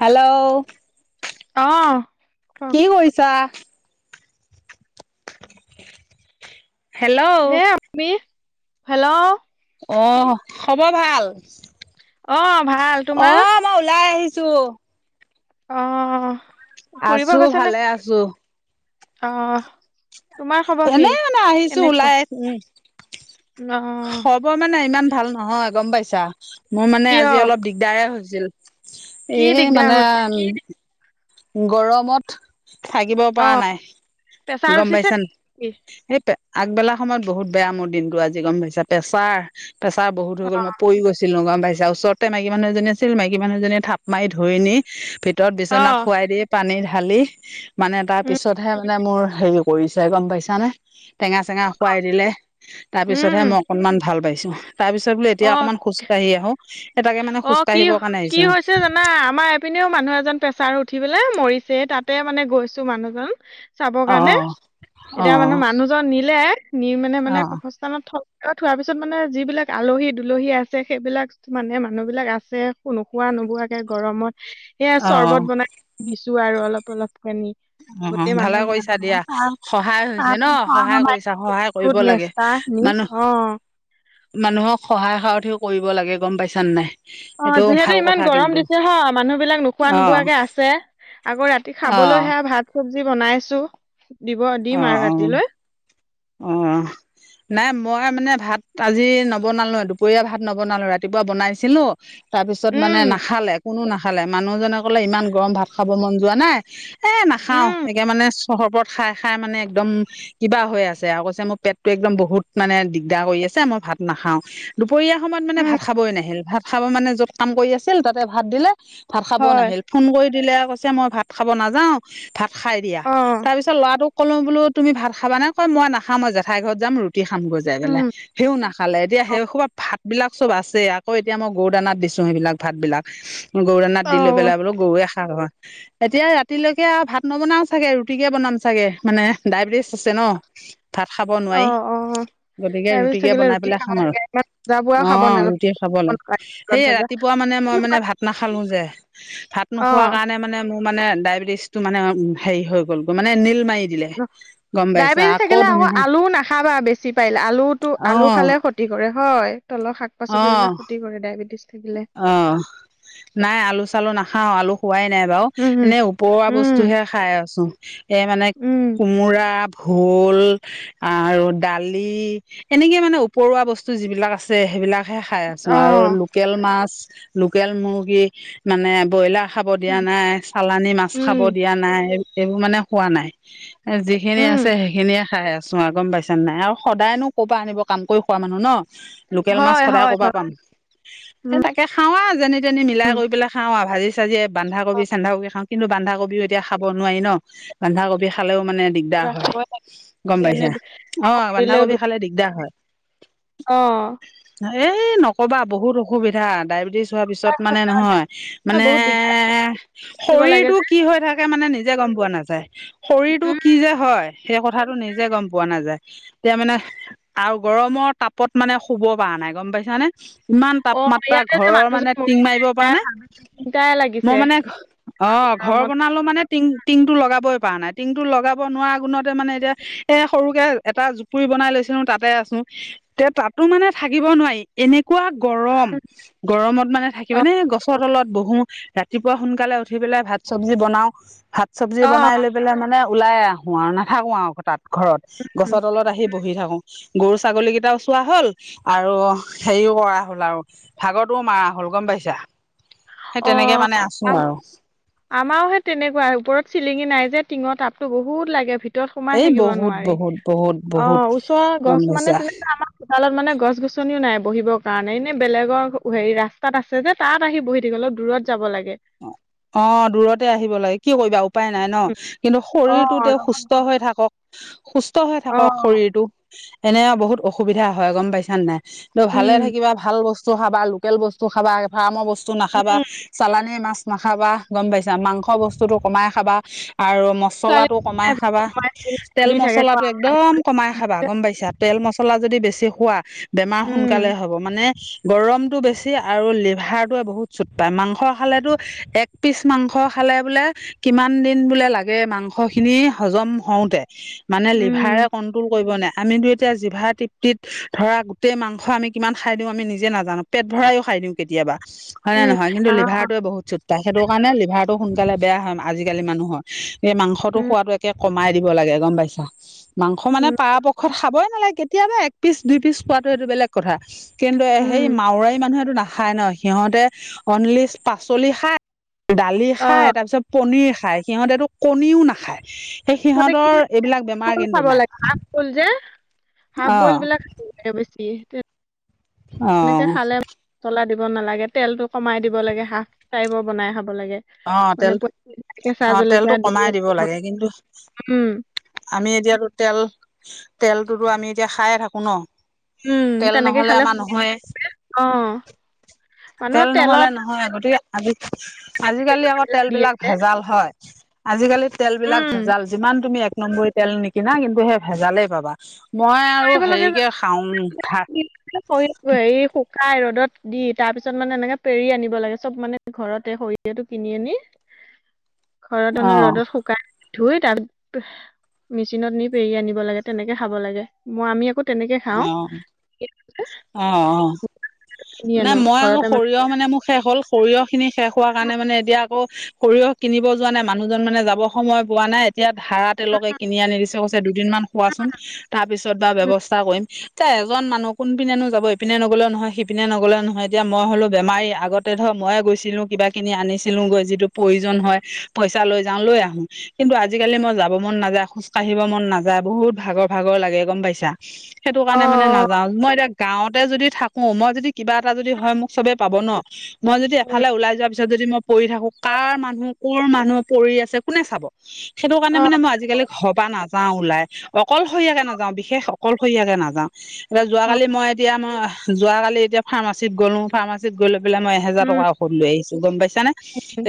Hello অ কি কৰিছা হেল্ল' হে আ হেল্ল' অ খবৰ ভাল, অ ভাল অ তোমাৰ মই ওলাই আহিছো ছ অ আছো ভালে আছো আহ তোমাৰ খবৰ কি এনে মানে আহিছো কেনেকুৱা। ওলাই উম, অহ খবৰ মানে ইমান ভাল নহয় গম পাইছা মোৰ মানে কিয় আজি অলপ দিগদাৰে হৈ হৈছে কি এই দিগদাৰ মানে হৈছে উ গৰমত থাকিব পৰা অহ নাই প্ৰেছাৰ গম উঠিছে পাইছ ন নেকি সেইটো আগবেলা সময়ত বহুত বেয়া মোৰ দিনটো আজি গম পাইছা প্ৰেছাৰ প্ৰেছাৰ বহুত হৈ গ'ল মই পৰি গৈছিলো পাইছা [unintelligible] ওচৰতে মাইকী মানুহ এজনী আছিল মাইকী মানুহজনীয়ে থাপ মাৰি ধৰি নি ভিতৰত বিছনা অহ পানী ঢালি মানে তাৰ উম পিছতহে মানে মোৰ হেৰি কৰিছে গম পাইছা নে টেঙা চেঙা খুৱাই দিলে তাৰপিছতহে উম মই অকণমান ভাল পাইছোঁ তাৰ পিছত বোলো এতিয়া অ অকণমান খোজকাঢ়ি আহো এ তাকে মানে অ খোজ কি কাঢ়িবৰ কাৰণে কি আহিছো হৈছে জানা আমাৰ এপিনেও মানুহ এজন প্ৰেছাৰ উঠি পেলাই মৰিছে তাতে মানে গৈছো মানুহজন চাবৰ অ কাৰণে অ এতিয়া মানে মানুহজন নিলে নি মানে মানে অ কবৰস্থান থলে। থোৱাৰ পিছত মানে যিবিলাক আলহী দুলহী আছে সেইবিলাক মানে মানুহ বিলাক আছে নোখোৱা নোবোৱাকে গৰমত সেয়া অ চৰ্বত বনাই আৰু অলপ অলপ কানি অ অ গোটেই ভালে মানুহৰ কৰিছা দিয়া সহায় হৈছে ন চাহ সহায় কৰিছা সহায় কৰিব বনাইছ লাগে মানুহ না অ মানুহক সহায় সাৰথিও কৰিব লাগে গম পাইছানে নাই। অ, সেইটো ভাল যিহেতু কথা ইমান গৰম কিন্তু দিছে হ, মানুহ বিলাক নোখোৱা অ নোবোৱাকে আছে। আকৌ ৰাতি অ খাবলৈ সেয়া ভাত চবজি বনাইছো দিব দিম আৰু ৰাতিলৈ আহ নাই মই মানে ভাত আজি নবনালোে দুপৰীয়া ভাত নবনালো ৰাতিপুৱা বনাইছিলো তাৰপিছত মানে উম নাখালে কোনো নাখালে মানুহজনে ক'লে ইমান গৰম ভাত খাব মন যোৱা নাই এ নাখাওঁ উম একে মানে চৰ্বত খাই খাই মানে একদম কিবা হৈ আছে আৰু কৈছে মোৰ পেটতটো একদম বহুত মানে দিগদাৰ কৰি আছে মই ভাত নাখাও দুপৰীয়া সময়ত মানে উম ভাত খাব কৈ নাহিল ভাত খাব মানে য'ত কাম কৰি আছিল তাতে ভাত দিলে ভাত খাব হয় নাহিল ফোন কৰি দিলে কৈছে মই ভাত খাব নাযাও ভাত খাই দিয়া অ তাৰ পিছত ল'ৰাটোক ক'লো বোলো তুমি ভাত খাবা নে কয় মই নাখাম মই জেঠাই ঘৰত যাম। খাম গৈ জাই উম পেলাই সেও না খালে দিয়া সেইখোবা ভাত বিলাক চব আছে। আকৌ এতিয়া মই গৰু দানাত দিছো সেইবিলাক ভাত বিলাক গৰুৰ দানাত অ দিলে বুলে গৰুয়ে [unintelligible] এতিয়া ৰাতিলৈকে আৰু ভাত নবনাও চাগে ৰুটিকে বনাম চাগে মানে ডায়েবেটিচ আছে। ন, ভাত খাব অ নোৱাৰি। অ গতিকে তাৰপিছত ৰুটিকে থাকিলে বনাই ৰুটি পেলাই খাব খাম আৰু লাগে ইমান ভজা পোৰা অ, খাব নালাগে ৰুটি খাব লাগে তেলত সেয়ে ভজা ৰাতিপুৱা মানে মানে মই তুমি মানে খোৱা? ভাত নাখালো যে ভাত অ নোখোৱা কাৰণে মানে মোৰ মানে ডায়বেটিচটো মানে হেৰি হৈ গ'ল মানে নীল মাৰি দিলে গম পাইছা। স, কেলে আকৌ আলু নাখাবা বেছি পাৰিলে আলুটো, অ আলু খালে ক্ষতি কৰে হয়। তলৰ শাক, অ পাচলি বিলাক ক্ষতি কৰে ডায়বেটিছ অ'। নাই আলু, চালু নাখাও আলু খোৱাই নাই বাৰু উম উম এনেই ওপৰুৱা উম বস্তুহে খাই। ছো, এ, মানে উম কোমোৰা ভোল আৰু দালি এনেকে মানে ওপৰুৱা বস্তু যিবিলাক আছে সেইবিলাক হেয়া খাই আছো, অ আৰু লোক মাছ, লোকেল মুৰ্গী মানে ব্ৰয়লাৰ খাব দিয়া নাই। চালানি মাছ খাব উম দিয়া নাই। এইবোৰ মানে খোৱা নাই। যিখিনি উম আছে সেইখিনিয়ে খাই আছে। চোৱা গম পাইছাে নাই আৰু সদায়নো ক'ব আনিব কাম কৰি খোৱা মানুহ ন লোকেল মাছ হয় সদায় হয় কৰ পৰা, হয় পাম স, তাকে খাও যেনি তেনি মিলাই কৰি পেলাই খাও আৰু ভাজি, চাজি অ বন্ধাকবি, চন্ধাকবি খাওঁ। কিন্তু বন্ধাকবিও এতিয়া খাব নোৱাৰি ন, বন্ধাকবি খালেও মানে দিগদাৰ কিবা হয়, খাব গম থাকিলে এনে পাইছা অ, দিলেও বন্ধাকবি দু খালে দিগদাৰ হয়। অ'। এ, নকবা বহুত অসুবিধা ডায়েবেটিছ। থোৱা পিছত মানে নহয় এ মানে বহুত দিগদাৰ দিব লাগে শৰীৰটো যে কি হৈ থাকে মানে নিজে নিজে গম পোৱা নাযায় শৰীৰটো উম কি যে হয় সেই কথাটো নিজে গম পোৱা নাযায়। এতিয়া মানে আৰু গৰমৰ তাপত মানে শুব পৰা নাই গম পাইছানে। ইমান অ তাপমাত্ৰা ইয়াতে যে ঘৰৰ মানে মানুহজন টিং মৰিছে মাৰিব পৰা তাই নে হাত দুটাই লাগিছে মই মানে অ'। অ, ঘৰ গৰমত বনালেও মানে টিং, টিং টো লগাবই। পৰা নাই টিং টো লগাব নোৱাৰা গুণতে মানে এতিয়া এ সৰু এটা জুপুৰি বনাই লৈছিলো তাতে আছো তে, তাতো মানে থাকিব নোৱাৰি এনে। পুৰা গৰম গৰমত মানে থাকিব অ নে গছৰ তলত বহু ৰাতিপুৱা সোনকালে উঠি পেলাই ভাত চবজি বনাও, ভাত চবজি অ বনাই লৈ পেলাই মানে ওলাই আহোঁ আৰু নাথাকো আৰু তাত ঘৰত উম, গছৰ তলত আহি বহি থাকো। গৰু, ছাগলী কেইটাও চোৱা হ'ল আৰু। হেৰিও কৰা হ'ল আৰু ভাগৰ টোও মাৰা হ'ল গম পাইছা। সেই অ, তেনেকে মানে আছো আৰু আমাৰহে তেনেকুৱা ওপৰত চিলিঙি নাই যে টিঙত আ টো বহুত লাগে ভিতৰত সোমাই এই থাকিব বহুত নোৱাৰি। বহুত বহুত অ, বহুত ওচৰৰ গম গছ মানে পাইছা তেনেকে আমাৰ চোতালত মানে গছ-গছনিও নাই বহিব। কাৰণে এনে বেলেগৰ হেৰি ৰাস্তাত আছে যে তাত আহি বহি থাকে অলপ দূৰত। যাব লাগে অ, দূৰতে আহিব লাগে কি কৰিবা উ। উপায় নাই ন, উম, কিন্তু অ শৰীৰটো তেওঁ লগত সুস্থ গছ, হৈ থাকক। সুস্থ হৈ অ থাকক, শৰীৰটো এনে বহুত অসুবিধা হয়, গম পাইছানে নাই। ত, ভালে উম থাকিবা ভাল বস্তু খাবা, লোকেল বস্তু খাবা, ফাৰ্মৰ বস্তু নাখাবা, উম চালান মাছ নাখাবা গম পাইছা, মাংস বস্তুতটো কমাই খাবা। আৰু মছলা ছোৱালী টো কমাই খাবা। তেল খুন্দি থাকে আকৌ মছলাটো আম খাই একদম গৈছে। কমাই খাবা গম পাইছা তেল, মচলা। মছলা যদি বেছি খোৱা বেমাৰ উম সোনকালে হ'ব মানে। গৰমতটো বেছি আৰু লিভাৰটোৱে বহুত চুট পায় মাংস খালে তো একপিচ মাংস খালে বুলে, কিমান দিন বুলে লাগে মাংসখিনি হজম। হজম হওঁতে মানে উম লিভাৰে কন্ট্ৰল কৰিব নোৱাৰে। আমি টো এতিয়া জিভা তৃপ্তিত ধৰা গোটেই মাংস আমি কিমান খাই দিওঁ আমি নিজে নাজানো পেট ভৰায়ওঁ খাই। হয় নে উম আহ নহয়। বহুত চুত পাই সেইটো কাৰণে লিভাৰটো সোনকালে বেয়া হয়, আজিকালি মানুহৰ। এই মাংসটো উম খোৱাতটো একে কমাই দিব লাগে গ'ম পাইছা, মাংস মানে উম পৰাপক্ষত খাবই নালাগে। কেতিয়াবা এক পিচ দুই পিচ খোৱাটো এইটো বেলেগ কথা কিন্তু উম সেই মাৰাৰী মানুহটো নাে খাই ন সিহঁতে অনলি পাচলি খায়, দালি খায়, অ তাৰপিছত পনিৰ খাই। খায় সিহঁতেটো কণীও নাখায়। সেই মুঠতে কি সিহঁতৰ এইবিলাক বেমাৰ ফুল কিন্তু খাব নাই। লাগে হাফ ফুল যে হাফ অ বইল বিলাক খাব বেছি। অ'। দ নালাগে তেলটো কমাই দিব লাগে, হাফ টাইপৰ বনাই খাব। লাগে অ মানে তেল কেঁচা অ জলকীয়া তেলটো কমাই দিব লাগে কিন্তু উম। আমি এতিয়াতো তেল, তেলটোতো আমি এতিয়া খাইয়েই থাকোঁ ন। উম তেল তেনেকে নহলে খালে আমাৰ নহয়েই। অ মানুহৰ তেল নহলে তেলত নহয় গতিকে আজি আজিকালি আকৌ বেমাৰবিলাক তেল দি বিলাক আছে ভেজাল হয়, আজিকালি তেল বিলাক উম ভেজাল যিমান তুমি। নম্বৰি তেল নিকিনা কিন্তু ভজালেই পাবা। মই আৰু কৰিব লাগে হেৰিকে খাওঁ ভাত। খাই ৰ'দত দি তাৰ পিছত মানে এনেকে পেৰি আনিব লাগে, চব মানে ঘৰতে সৰিয়হেটো কিনি আনি। ঘৰত মানে অ', ৰ'দত শুকাই। ধুই তাত মেচিনত নি পেৰি আনিব লাগে, তেনেকে খাব লাগে মই আমি আকৌ। তেনেকে খাওঁ অ', অ', অ'। কিনি নাই আনো মই আকৌ ঘৰতে সৰিয়হ মানে মোৰ শেষ হ'ল, সৰিয়হ খিনি শেষ হোৱা কাৰণে মানে এতিয়া আকৌ। সৰিয়হ কিনিব যোৱা নাই, মানুহজন মানে যাব সময় পোৱা নাই। এতিয়া ধাৰা তেলকে কিনি আনি দিছে, কৈছে দুদিনমান খোৱাচোন তাৰ পিছত বা ব্যৱস্থা কৰিম। এতিয়া এজন মানুহ কোন পিনেনো যাব ইপিনে নগ'লে নহয় সি পিনে নগ'লে নহয় এতিয়া মই হ'লো বেমাৰী, আগতে ধৰক ময়ে গৈছিলো কিবা কিনি আনিছিলোঁ গৈ যিটো প্ৰয়োজন। হয় পইচা লৈ যাও লৈ আহো, কিন্তু আজিকালি মই যাব মন নাযায় খোজ কঢ়িব মন নাযায় বহুত। বহুত ভাগৰ, ভাগৰ লাগে গম পাইছা, সেইটো অ কাৰণে মানে নাযাওঁ মই এতিয়া গাওঁতে যদি থাকো ম যদি কিবা এটা যদি হয় মোক চবে পাব ন, মই যদি উম এফালে ওলাই যোৱা পিছত যদি ম পৰি থাকো কাৰ মানুহ কোৰ মানুহে পৰি আছে কোনে চাব। সেইটো কাৰনে অ মানে মই আজিকালি ঘৰপা নাযাওঁ ওলাই। অকলশৰীয়াকে নাযাওঁ বিশেষ অকলশৰীয়াকে নাযাওঁ এতিয়া অ যোৱাকালি মই এতিয়া মই এতিয়া ম যোৱাকাল এতিয়া ফাৰ্মাচীত গ'লো, ফাৰ্মাচী গৈ পেলাই মই এহেজাৰ টকা উম ঔষধ লৈ আহিছোঁ গম পাইচা।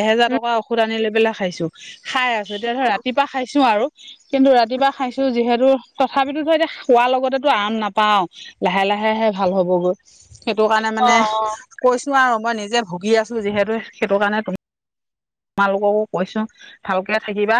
এহেজাৰ উম টকা ঔষধ আনিলৈ পেলাই। খাইছোঁ খাই আছোঁ, এতিয়া ধৰা ৰাতিপুৱা খাইছোঁ আৰু কিন্তু ৰাতিপুৱা খাইছোঁ যিহেতু তথাপিতো। খোৱা লগতেই টো এতিয়া আৰাম নাপাওঁ, লাহে, লাহে ভাল হ'বগৈ। সেইটো কাৰণে অ মানে কৈছোঁ আৰু মই নিজে ভুগি আছোঁ যিহেতু সেইটো কাৰণে তুমি। তোমালোককো কৈছোঁ ভালকে থাকিবা।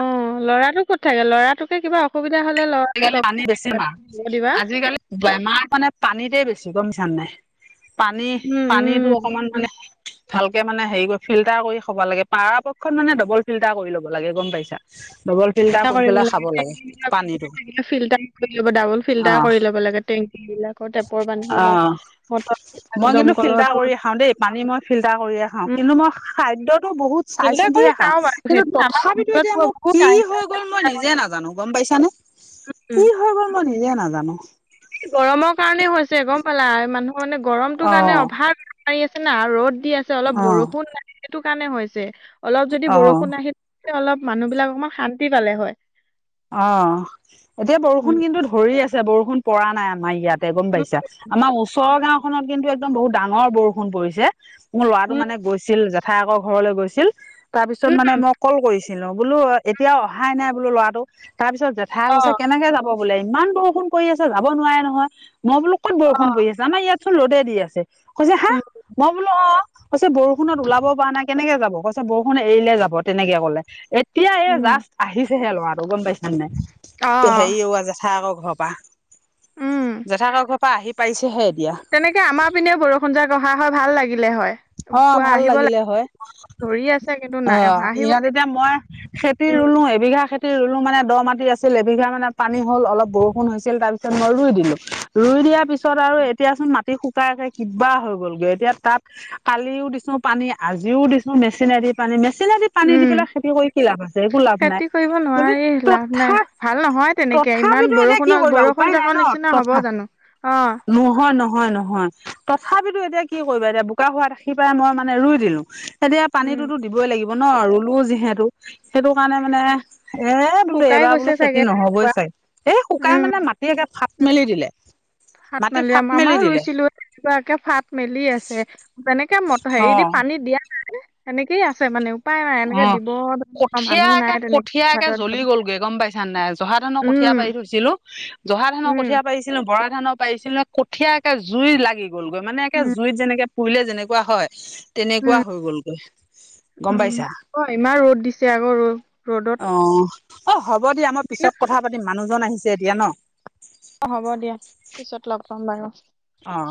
অ', ল'ৰাটো ক'ত থাকে লৰাটোকে কিবা অসুবিধা। হ'লে ল'ৰা আজিকালি লগ পানীত বেছি থাকিবা বেমাৰ, খবৰ দিবা আজিকালি বেমাৰ মানে পানীতে বেছি। বেছি গম পাইছা নে নাই, পানী উম উম পানীতটো অকমান মানে। ভালকে মানে হেৰি কৰি ফিল্টাৰ কৰি খাব লাগে, পাৰা পক্ষত মানে ডবল ফিল্টাৰ কৰি ল'ব লাগে গম পাইছা। ডবল ফিল্টাৰ কৰি কৰিব পেলাই খাব লাগে টেংকি বিলাক পানীতটো। থাকিলে ফিল্টাৰ কৰি লব ডাবল ফিল্টাৰ কৰি লব লাগে, টেংক বিলাকৰ টেপৰ পানী অ বিলাক মটৰ। মই কিন্তু ফিল্টাৰ দমকলৰটোত কৰিয়ে খাওঁ দেই, পানী মই ফিল্টাৰ কৰিয়ে খাওঁ উম কিন্তু মই খাই। বহুত চাই ফিল্টাৰ কৰি চিন্তয়ে খাওঁ, বাৰু কিন্তু সেইটো আমাৰ তথাপিতো ঘৰত এতিয়া পোৱা মোক বহুত কি টাইম হৈ গ'ল মই আছে নিজে নাজানো গম পাইছানে। উম কি হৈ গ'ল মই নিজে নাজানো গৰমৰ কাৰণে হৈছে গম পালা মানুহ মানে গৰমটোৰ অ কাৰণে অভাৱ মাৰি আছে না ৰ'দ আছে অলপ অ বৰষুণ ন সেইটো কাৰণে হৈছে অলপ যদি অ বৰষুণ আহিল অলপ মানুহ বিলাক অকমান শান্তি পালে হয় অ এতিয়া উম বৰষুণ কিন্তু ধৰি আছে বৰষুণ পৰা নাই আমাৰ ইয়াত ত গম উম পাইছা আমাৰ ওচৰ গাওখনত কিন্তু একদম বহুত ডাঙৰ বৰষুণ পৰিছে মোৰ ল'ৰাটো উম মানে গৈছিল জেঠাই আকৰ ঘৰলৈ গৈছিল তাৰ পিছত উম মানে মই কল কৰিছিলো বোলো এতিয়াও অহাই নাই বোলো ল'ৰা তাৰপিছত জেঠাই অ গছে কেনেকে যাব বোলে ইমান বৰষুণ কৰি আছে যাব নোৱাৰে নহয় মই বোলো কত বৰষুণ পৰি আছে আম ইয়াতোন ৰ'তে দি আছে কৈছে হা উম মই বোলো অ কৈছে বৰষুণত ওলাব পৰা নাই কেনেকে যাব কৈছে বৰষু খন এৰিলে যাব তেনেকে কলে এতিয়া এই উম জাষ্ট আহিছেহে ল'ৰাটো গম পাইছা ন অ নাই হেৰি জেঠা আকৌ ঘৰৰ পৰাা উম জেঠাকৰ ঘৰ আহি পাইছেহে এতিয়া। তেনেকে আমাৰ পিনে বৰষুণ যো গঢ়া হয় ভাল লাগে লিলে হয় অ পুৱা ভাল আহিব লাগিলে লাগে হয়। ধৰি আছে কিন্তু অ নাই অহা আহিব ইহত এতিয়া মই খেতি ৰুলো উম এবিঘা খেতি ৰুলো মানে দ মাটি আছিল এবিঘা মানে পানী হ'ল অলপ বৰষুণ হৈছিল তাৰ পিছত মই ৰুই দিলো ই ধুই দিয়াৰ পিছত আৰু এতিয়াচোন মা ৰাতি শুকাইাই কিবা হৈ গলগৈ এতিয়া তাত কালিও দিছো পানী আজিও দিছো মেচিনেদি চিন দি পানী দি উম পেলাই খেতি কৰি কি লাভ আছে একো লাভ নাই খেতি কৰিব গতিকে নোৱাৰি লাভ নাই তথা ভাল নহয় তেনেকে ইমান তথাপিতো এতিয়া কিয় বৰষুণৰ কৰিবা বৰষুণ উপায় নাই জাকৰ ন নিচিনা হব তথা জানো অ নহয় নহয় নহয় তথাপিতো এতিয়া কি কৰিবা এতিয়া বোকা হোৱ ৰাখি পাই মইানে ৰুই দিলো এতিয়া পানী উম লাগিব ন ৰুলো যিহেতু সেইটো কাৰণে মানে এ বোলো শুকাই এইবাৰ গৈছে বোলো চাগে খেতি নহবই ৱা- চাগ এই শুকাই উম মানে মাটিে ফাট মেলি দিলে ফাত মাটি মালি ফাট মেলি আমাৰও দিলে ৰুইছিলো এৰাকে ফাট মেলি আছে যেনেকে মত অ হেৰি দি পানী দিয়া নাই এনেকেই আছে মানে উপায় নাই এনেকে দিব মানুহ নাই কঠিয়াকে তেনেকে কঠীয়াকে পথাৰত জ্বলি যাব গ'লগৈ গম পাইছাানে নাই জহা ধানৰ কঠীয়াা উম পাৰি থৈছিলো জহা ধানৰ উম কঠীয়া পাৰিছিলো বৰা ধান পাৰিছিল ন কঠিয় একে জুই লাগি গলগৈ মানে একে উম জুইত যেনেকে পুৰিলে যেনেকুৱা হয় তেনেকুৱা উম হৈ গ'লগৈ গম উম পাইছ অ ইমান ৰ'দ দিছে আকৌ ৰ'দ ৰ'দত অ অ হ'ব দিয়া মই পিছত কথা পাতিম মানুহজন আহিছে এতিয়া ন অ হ'ব দিয়া পিছত লগ পাম বাৰু অ